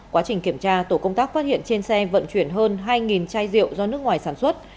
quá trình kiểm tra tổ công tác phát hiện trên xe vận chuyển hơn hai chai rượu do nước ngoài sản xuất